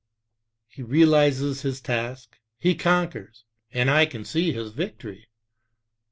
He realizes his task, he conquers, and I can see his victory.